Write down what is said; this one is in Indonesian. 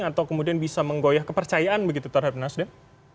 atau kemudian bisa menggoyah kepercayaan begitu tuan harim nasdem